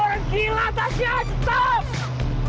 masih abu abu tasya